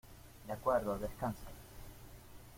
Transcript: de acuerdo, descansa.